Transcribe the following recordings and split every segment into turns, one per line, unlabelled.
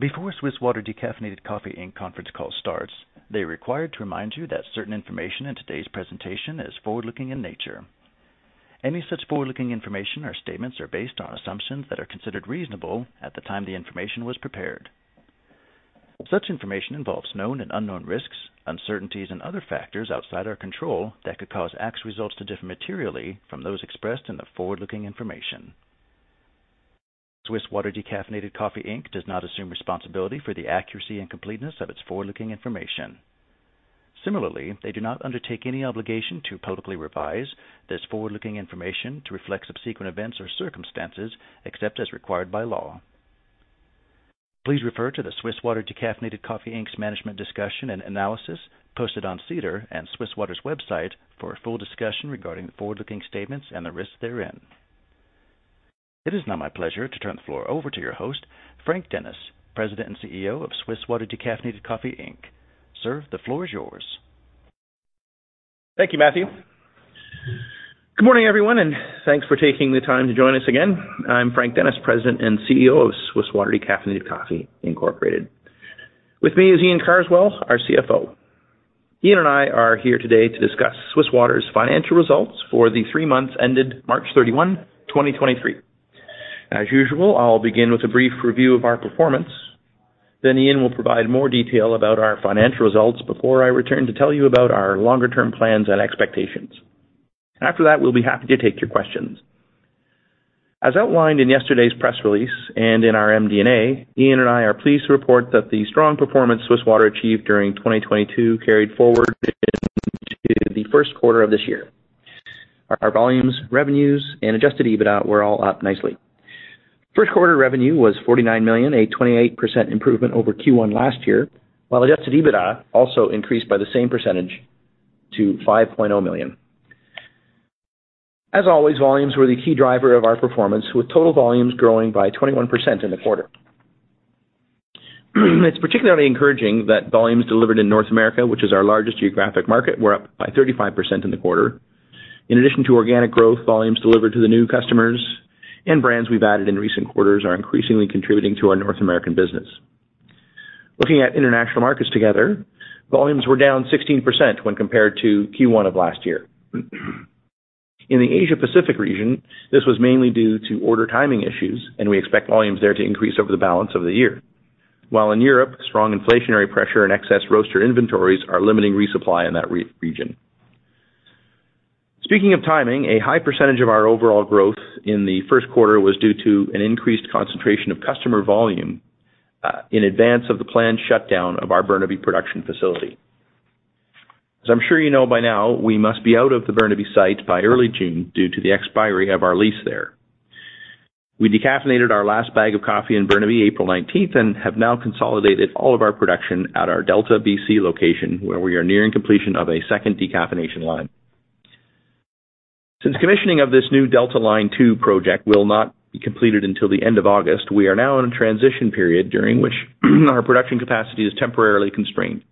Before Swiss Water Decaffeinated Coffee Inc. conference call starts, they're required to remind you that certain information in today's presentation is forward-looking in nature. Any such forward-looking information or statements are based on assumptions that are considered reasonable at the time the information was prepared. Such information involves known and unknown risks, uncertainties, and other factors outside our control that could cause actual results to differ materially from those expressed in the forward-looking information. Swiss Water Decaffeinated Coffee Inc. does not assume responsibility for the accuracy and completeness of its forward-looking information. Similarly, they do not undertake any obligation to publicly revise this forward-looking information to reflect subsequent events or circumstances, except as required by law. Please refer to the Swiss Water Decaffeinated Coffee Inc.'s management discussion and analysis posted on SEDAR and Swiss Water's website for a full discussion regarding the forward-looking statements and the risks therein. It is now my pleasure to turn the floor over to your host, Frank Dennis, President and CEO of Swiss Water Decaffeinated Coffee Inc. Sir, the floor is yours.
Thank you, Matthew. Good morning, everyone, thanks for taking the time to join us again. I'm Frank Dennis, President and CEO of Swiss Water Decaffeinated Coffee, Incorporated. With me is Iain Carswell, our CFO. Iain and I are here today to discuss Swiss Water's financial results for the three months ended March 31st, 2023. As usual, I'll begin with a brief review of our performance, Iain will provide more detail about our financial results before I return to tell you about our longer-term plans and expectations. After that, we'll be happy to take your questions. As outlined in yesterday's press release in our MD&A, Iain and I are pleased to report that the strong performance Swiss Water achieved during 2022 carried forward into the first quarter of this year. Our volumes, revenues, and Adjusted EBITDA were all up nicely. First quarter revenue was 49 million, a 28% improvement over Q1 last year, while Adjusted EBITDA also increased by the same percentage to 5.0 million. As always, volumes were the key driver of our performance, with total volumes growing by 21% in the quarter. It's particularly encouraging that volumes delivered in North America, which is our largest geographic market, were up by 35% in the quarter. In addition to organic growth, volumes delivered to the new customers and brands we've added in recent quarters are increasingly contributing to our North American business. Looking at international markets together, volumes were down 16% when compared to Q1 of last year. In the Asia Pacific region, this was mainly due to order timing issues. We expect volumes there to increase over the balance of the year. While in Europe, strong inflationary pressure and excess roaster inventories are limiting resupply in that region. Speaking of timing, a high percentage of our overall growth in the first quarter was due to an increased concentration of customer volume in advance of the planned shutdown of our Burnaby production facility. As I'm sure you know by now, we must be out of the Burnaby site by early June due to the expiry of our lease there. We decaffeinated our last bag of coffee in Burnaby April 19th and have now consolidated all of our production at our Delta BC location, where we are nearing completion of a second decaffeination line. Since commissioning of this new Delta Line 2 project will not be completed until the end of August, we are now in a transition period during which our production capacity is temporarily constrained.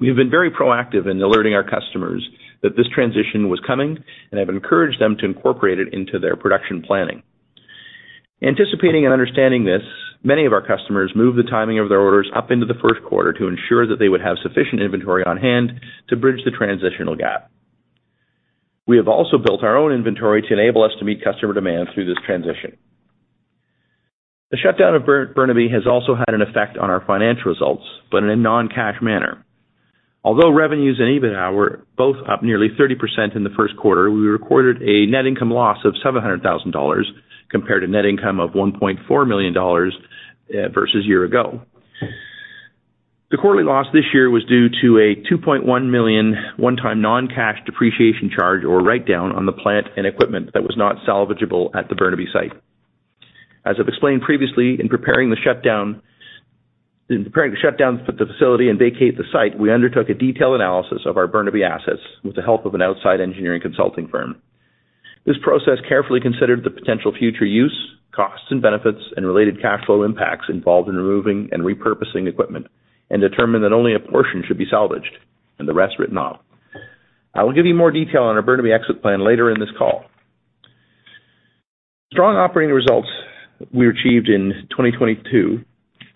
We have been very proactive in alerting our customers that this transition was coming and have encouraged them to incorporate it into their production planning. Anticipating and understanding this, many of our customers moved the timing of their orders up into the first quarter to ensure that they would have sufficient inventory on-hand to bridge the transitional gap. We have also built our own inventory to enable us to meet customer demand through this transition. The shutdown of Bur-Burnaby has also had an effect on our financial results, but in a non-cash manner. Although revenues and EBITDA were both up nearly 30% in the first quarter, we recorded a net income loss of $700,000 compared to net income of $1.4 million versus year ago. The quarterly loss this year was due to a 2.1 million one-time non-cash depreciation charge or write-down on the plant and equipment that was not salvageable at the Burnaby site. As I've explained previously, in preparing to shut down the facility and vacate the site, we undertook a detailed analysis of our Burnaby assets with the help of an outside engineering consulting firm. This process carefully considered the potential future use, costs and benefits, and related cash flow impacts involved in removing and repurposing equipment and determined that only a portion should be salvaged and the rest written off. I will give you more detail on our Burnaby exit plan later in this call. Strong operating results we achieved in 2022,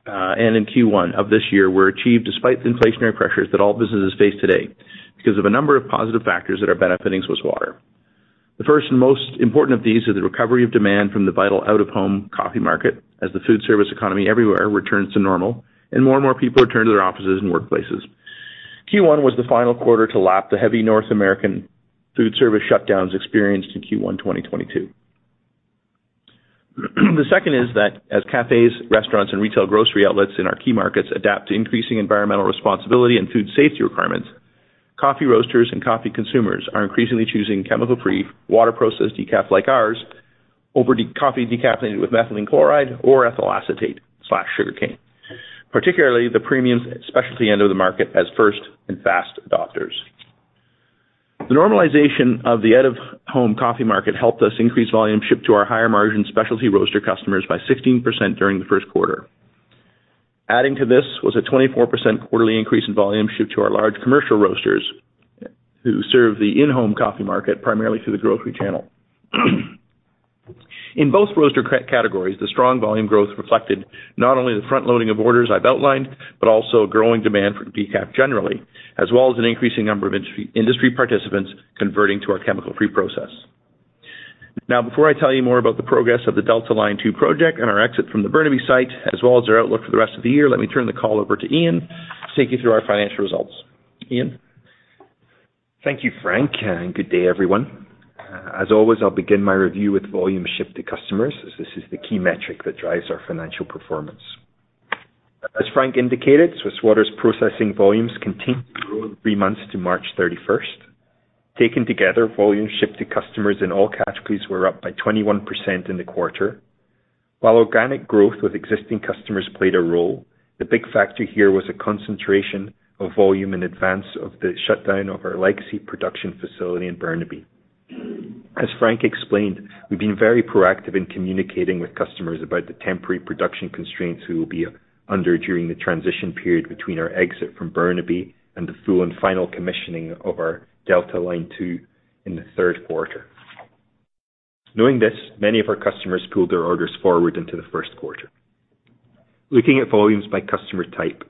and in Q1 of this year were achieved despite the inflationary pressures that all businesses face today because of a number of positive factors that are benefiting Swiss Water. The first and most important of these are the recovery of demand from the vital out-of-home coffee market as the food service economy everywhere returns to normal and more and more people return to their offices and workplaces. Q1 was the final quarter to lap the heavy North American food service shutdowns experienced in Q1 2022. The second is that as cafes, restaurants, and retail grocery outlets in our key markets adapt to increasing environmental responsibility and food safety requirements, coffee roasters and coffee consumers are increasingly choosing chemical-free water processed decaf like ours over coffee decaffeinated with methylene chloride or ethyl acetate/sugar cane, particularly the premiums specialty end of the market as first and fast adopters. The normalization of the out-of-home coffee market helped us increase volume shipped to our higher-margin specialty roaster customers by 16% during the first quarter. Adding to this was a 24% quarterly increase in volume shipped to our large commercial roasters who serve the in-home coffee market primarily through the grocery channel. In both roaster categories, the strong volume growth reflected not only the front loading of orders I've outlined, but also a growing demand for decaf generally, as well as an increasing number of industry participants converting to our chemical-free process. Before I tell you more about the progress of the Delta Line 2 project and our exit from the Burnaby site, as well as our outlook for the rest of the year, let me turn the call over to Iain to take you through our financial results. Iain?
Thank you, Frank, and good day, everyone. As always, I'll begin my review with volume shipped to customers as this is the key metric that drives our financial performance. As Frank indicated, Swiss Water's processing volumes continued to grow in three months to March 31st. Taken together, volume shipped to customers in all categories were up by 21% in the quarter. While organic growth with existing customers played a role, the big factor here was a concentration of volume in advance of the shutdown of our Legacy production facility in Burnaby. As Frank explained, we've been very proactive in communicating with customers about the temporary production constraints we will be under during the transition period between our exit from Burnaby and the full and final commissioning of our Delta Line 2 in the third quarter. Knowing this, many of our customers pulled their orders forward into the first quarter. Looking at volumes by customer type,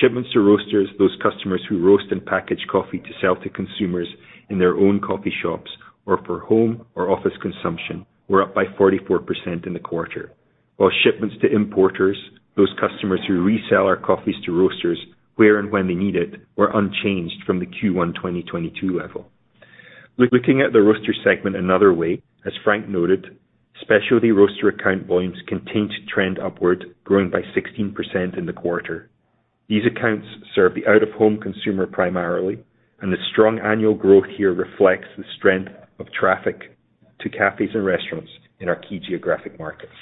shipments to roasters, those customers who roast and package coffee to sell to consumers in their own coffee shops or for home or office consumption, were up by 44% in the quarter, while shipments to importers, those customers who resell our coffees to roasters where and when they need it, were unchanged from the Q1 2022 level. Looking at the roaster segment another way, as Frank noted, specialty roaster account volumes continue to trend upward, growing by 16% in the quarter. These accounts serve the out-of-home consumer primarily, and the strong annual growth here reflects the strength of traffic to cafes and restaurants in our key geographic markets.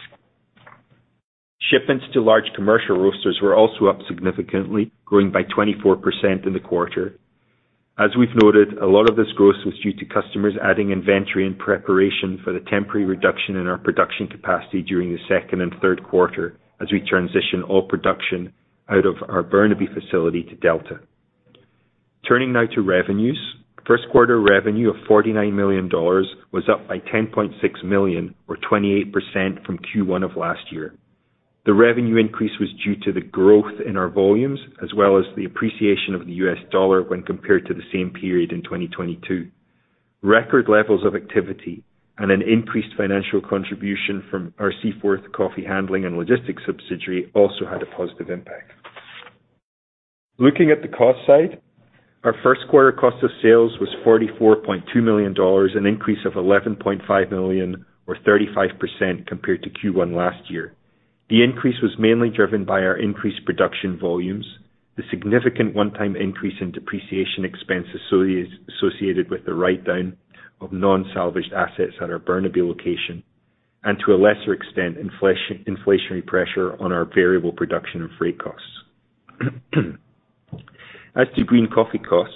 Shipments to large commercial roasters were also up significantly, growing by 24% in the quarter. We've noted, a lot of this growth was due to customers adding inventory in preparation for the temporary reduction in our production capacity during the second and third quarter as we transition all production out of our Burnaby facility to Delta. Turning now to revenues. First quarter revenue of $49 million was up by $10.6 million, or 28% from Q1 of last year. The revenue increase was due to the growth in our volumes as well as the appreciation of the US dollar when compared to the same period in 2022. Record levels of activity and an increased financial contribution from our Seaforth Coffee handling and logistics subsidiary also had a positive impact. Looking at the cost side, our first quarter cost of sales was $44.2 million, an increase of $11.5 million or 35% compared to Q1 last year. The increase was mainly driven by our increased production volumes, the significant one-time increase in depreciation expenses associated with the write down of non-salvaged assets at our Burnaby location, and to a lesser extent, inflationary pressure on our variable production and freight costs. As to green coffee costs,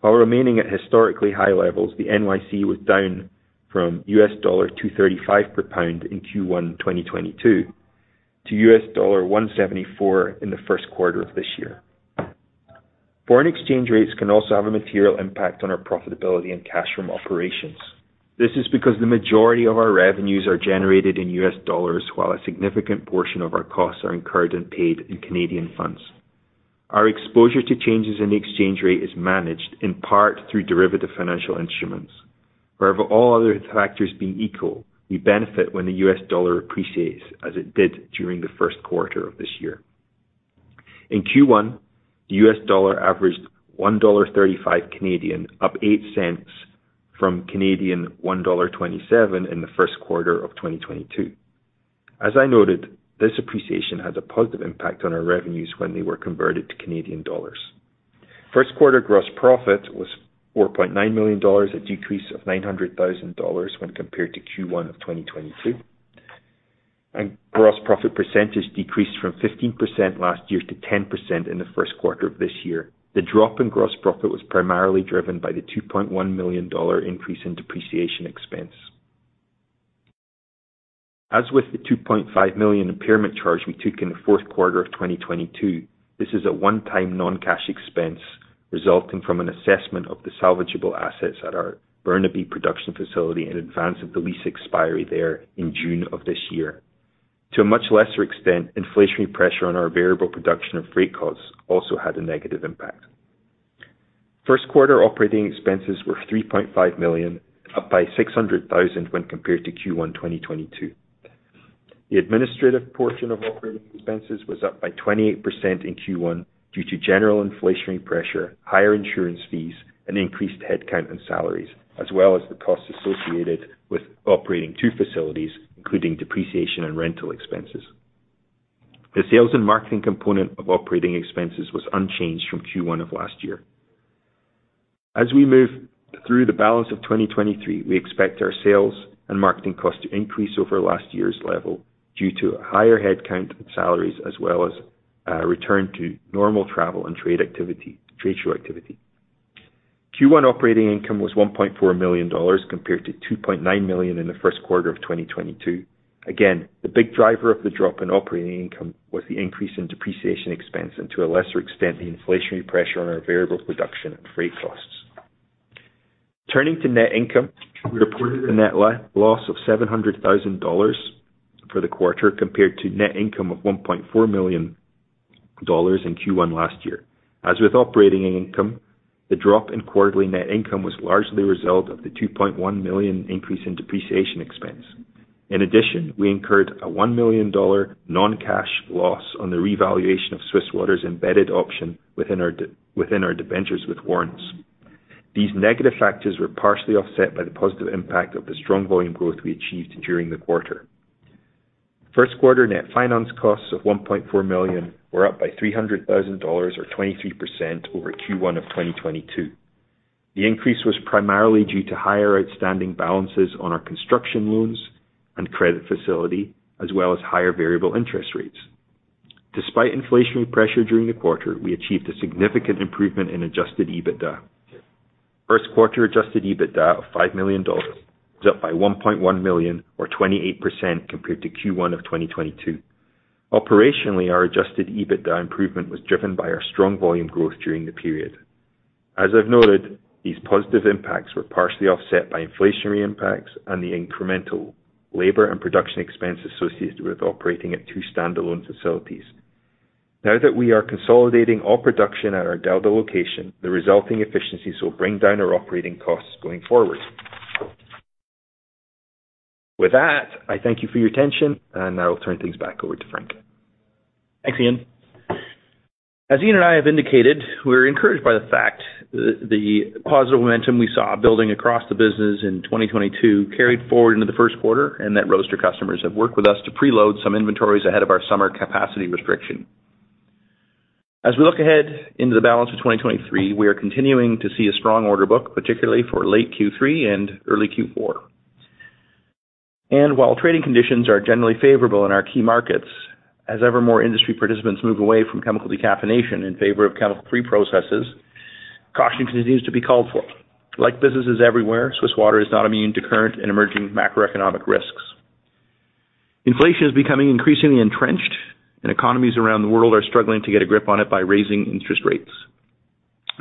while remaining at historically high levels, the NYC was down from $2.35 per pound in Q1 2022 to $1.74 in the first quarter of this year. Foreign exchange rates can also have a material impact on our profitability and cash from operations. This is because the majority of our revenues are generated in US dollars, while a significant portion of our costs are incurred and paid in Canadian funds. Our exposure to changes in the exchange rate is managed in part through derivative financial instruments. Where all other factors being equal, we benefit when the US dollar appreciates as it did during the first quarter of this year. In Q1, the US dollar averaged 1.35 Canadian dollars, up 0.08 from 1.27 Canadian dollars in the first quarter of 2022. As I noted, this appreciation had a positive impact on our revenues when they were converted to Canadian dollars. First quarter gross profit was 4.9 million dollars, a decrease of 900,000 dollars when compared to Q1 of 2022, and gross profit percentage decreased from 15% last year to 10% in the first quarter of this year. The drop in gross profit was primarily driven by the 2.1 million dollar increase in depreciation expense. As with the 2.5 million impairment charge we took in the fourth quarter of 2022, this is a one-time non-cash expense resulting from an assessment of the salvageable assets at our Burnaby production facility in advance of the lease expiry there in June of this year. To a much lesser extent, inflationary pressure on our variable production of freight costs also had a negative impact. First quarter operating expenses were 3.5 million, up by 600,000 when compared to Q1 2022. The administrative portion of operating expenses was up by 28% in Q1 due to general inflationary pressure, higher insurance fees, and increased headcount in salaries, as well as the costs associated with operating 2 facilities, including depreciation and rental expenses. The sales and marketing component of operating expenses was unchanged from Q1 of last year. As we move through the balance of 2023, we expect our sales and marketing costs to increase over last year's level due to higher headcount and salaries, as well as a return to normal travel and trade show activity. Q1 operating income was 1.4 million dollars compared to 2.9 million in the first quarter of 2022. Again, the big driver of the drop in operating income was the increase in depreciation expense and to a lesser extent, the inflationary pressure on our variable production and freight costs. Turning to net income, we reported a net loss of 700,000 dollars for the quarter, compared to net income of 1.4 million dollars in Q1 last year. As with operating income, the drop in quarterly net income was largely a result of the 2.1 million increase in depreciation expense. We incurred a 1 million dollar non-cash loss on the revaluation of Swiss Water's embedded option within our debentures with warrants. These negative factors were partially offset by the positive impact of the strong volume growth we achieved during the quarter. First quarter net finance costs of 1.4 million were up by 300,000 dollars or 23% over Q1 of 2022. The increase was primarily due to higher outstanding balances on our construction loans and credit facility, as well as higher variable interest rates. Despite inflationary pressure during the quarter, we achieved a significant improvement in Adjusted EBITDA. First quarter Adjusted EBITDA of 5 million dollars was up by 1.1 million, or 28% compared to Q1 of 2022. Operationally, our Adjusted EBITDA improvement was driven by our strong volume growth during the period. As I've noted, these positive impacts were partially offset by inflationary impacts and the incremental labor and production expenses associated with operating at two standalone facilities. That we are consolidating all production at our Delta location, the resulting efficiencies will bring down our operating costs going forward. With that, I thank you for your attention, and I will turn things back over to Frank.
Thanks, Iain. As Iain and I have indicated, we're encouraged by the fact the positive momentum we saw building across the business in 2022 carried forward into the first quarter, and that roaster customers have worked with us to preload some inventories ahead of our summer capacity restriction. While we look ahead into the balance of 2023, we are continuing to see a strong order book, particularly for late Q3 and early Q4. While trading conditions are generally favorable in our key markets, as ever more industry participants move away from chemical decaffeination in favor of chemical-free process, caution continues to be called for. Like businesses everywhere, Swiss Water is not immune to current and emerging macroeconomic risks. Inflation is becoming increasingly entrenched, and economies around the world are struggling to get a grip on it by raising interest rates.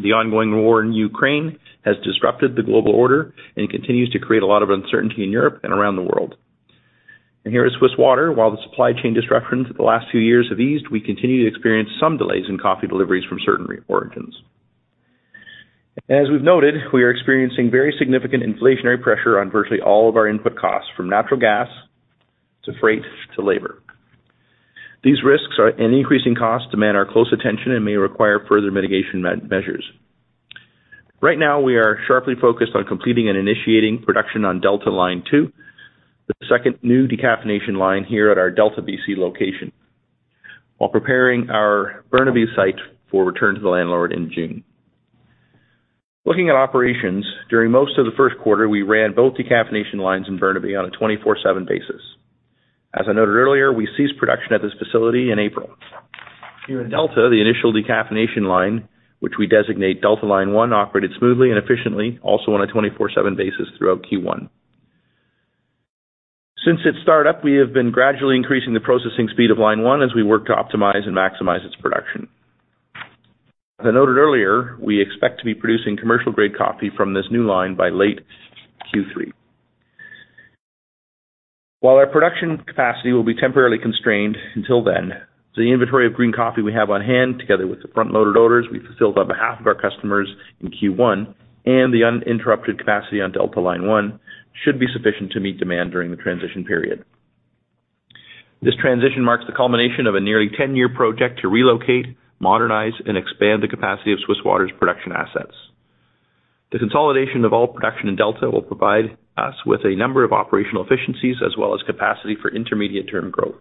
The ongoing war in Ukraine has disrupted the global order and continues to create a lot of uncertainty in Europe and around the world. Here at Swiss Water, while the supply chain disruptions of the last few years have eased, we continue to experience some delays in coffee deliveries from certain origins. As we've noted, we are experiencing very significant inflationary pressure on virtually all of our input costs, from natural gas to freight to labor. These risks and increasing costs demand our close attention and may require further mitigation measures. Right now, we are sharply focused on completing and initiating production on Delta Line 2, the second new decaffeination line here at our Delta BC location, while preparing our Burnaby site for return to the landlord in June. Looking at operations, during most of the first quarter, we ran both decaffeination lines in Burnaby on a 24/7 basis. As I noted earlier, we ceased production at this facility in April. Here in Delta, the initial decaffeination line, which we designate Delta Line 1, operated smoothly and efficiently, also on a 24/7 basis throughout Q1. Since its startup, we have been gradually increasing the processing speed of Line 1 as we work to optimize and maximize its production. As I noted earlier, we expect to be producing commercial grade coffee from this new line by late Q3. While our production capacity will be temporarily constrained until then, the inventory of green coffee we have on hand, together with the front-loaded orders we fulfilled on behalf of our customers in Q1 and the uninterrupted capacity on Delta Line 1 should be sufficient to meet demand during the transition period. This transition marks the culmination of a nearly 10-year project to relocate, modernize, and expand the capacity of Swiss Water's production assets. The consolidation of all production in Delta will provide us with a number of operational efficiencies as well as capacity for intermediate term growth.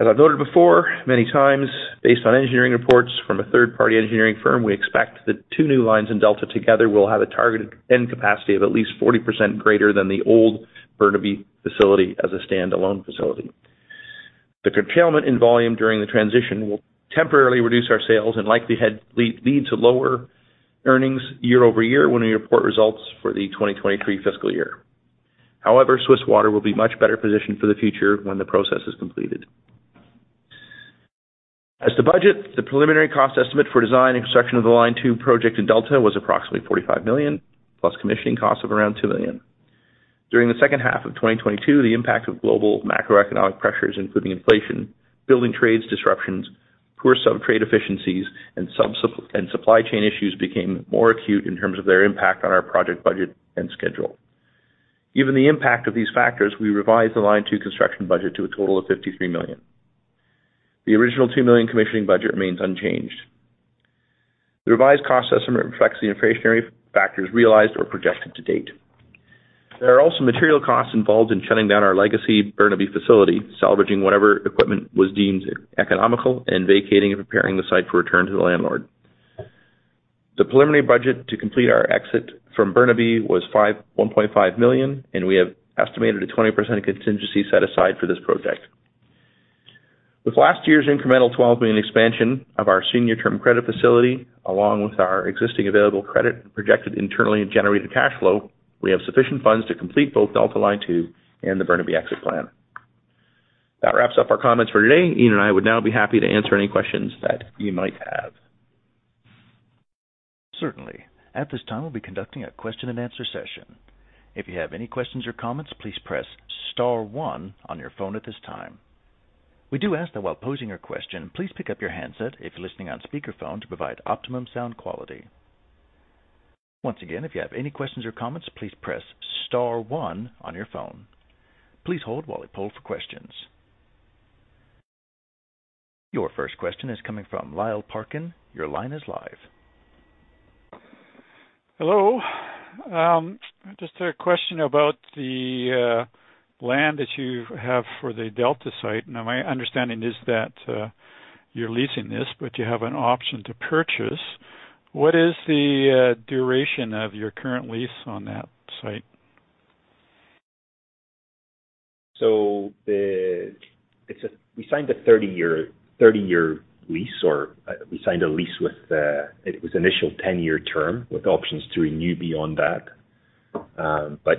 As I've noted before many times, based on engineering reports from a third party engineering firm, we expect the two new lines in Delta together will have a targeted end capacity of at least 40% greater than the old Burnaby facility as a standalone facility. The curtailment in volume during the transition will temporarily reduce our sales and likely lead to lower earnings year-over-year when we report results for the 2023 fiscal year. However, Swiss Water will be much better positioned for the future when the process is completed. As to budget, the preliminary cost estimate for design and construction of the Delta Line 2 project was approximately 45 million, plus commissioning costs of around 2 million. During the second half of 2022, the impact of global macroeconomic pressures, including inflation, building trades disruptions, poor sub-trade efficiencies and supply chain issues became more acute in terms of their impact on our project budget and schedule. Given the impact of these factors, we revised the Line 2 construction budget to a total of 53 million. The original 2 million commissioning budget remains unchanged. The revised cost estimate reflects the inflationary factors realized or projected to date. There are also material costs involved in shutting down our legacy Burnaby facility, salvaging whatever equipment was deemed economical, and vacating and preparing the site for return to the landlord. The preliminary budget to complete our exit from Burnaby was 1.5 million, and we have estimated a 20% contingency set aside for this project. With last year's incremental 12 million expansion of our senior term credit facility, along with our existing available credit projected internally and generated cash flow, we have sufficient funds to complete both Delta Line 2 and the Burnaby Exit Plan. That wraps up our comments for today. Iain and I would now be happy to answer any questions that you might have.
Certainly. At this time, we'll be conducting a question-and-answer session. If you have any questions or comments, please press star one on your phone at this time. We do ask that while posing your question, please pick up your handset if you're listening on speakerphone to provide optimum sound quality. Once again, if you have any questions or comments, please press star one on your phone. Please hold while we poll for questions. Your first question is coming from Lyle Parkin. Your line is live.
Hello. Just a question about the land that you have for the Delta site. My understanding is that you're leasing this, but you have an option to purchase. What is the duration of your current lease on that site?
We signed a 30-year lease or, we signed a lease with, it was initial 10-year term with options to renew beyond that.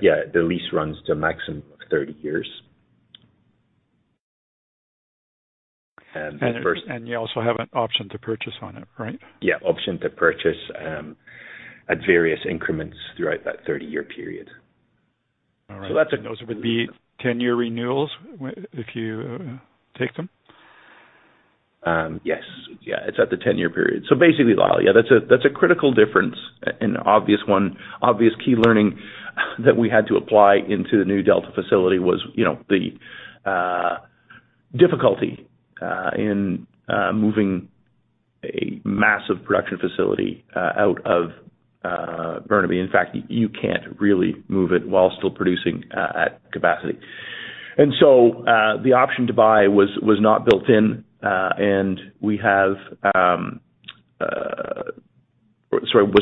Yeah, the lease runs to a maximum of 30 years.
You also have an option to purchase on it, right?
Option to purchase, at various increments throughout that 30-year period.
All right.
That's it.
Those would be 10-year renewals if you take them?
Yes. It's at the 10-year period. Basically, Lyle, yeah, that's a, that's a critical difference and obvious one. Obvious key learning that we had to apply into the new Delta facility was, you know, the difficulty in moving a massive production facility out of Burnaby. In fact, you can't really move it while still producing at capacity. So, the option to buy was not built in, was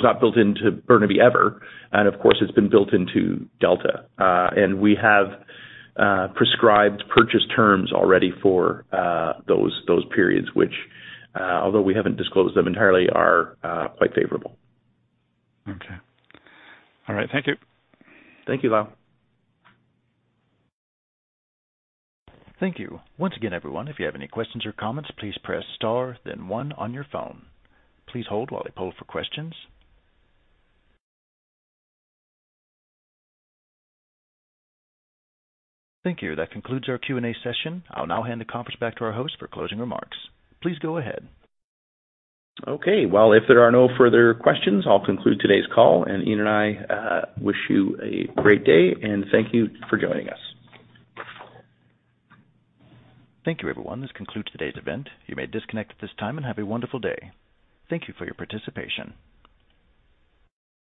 not built into Burnaby ever. Of course, it's been built into Delta. We have prescribed purchase terms already for those periods, which although we haven't disclosed them entirely, are quite favorable.
Okay. All right. Thank you.
Thank you, Lyle.
Thank you. Once again, everyone, if you have any questions or comments, please press star then one on your phone. Please hold while they poll for questions. Thank you. That concludes our Q&A session. I'll now hand the conference back to our host for closing remarks. Please go ahead.
Okay. Well, if there are no further questions, I'll conclude today's call. Iain and I, wish you a great day, and thank you for joining us.
Thank you, everyone. This concludes today's event. You may disconnect at this time and have a wonderful day. Thank you for your participation.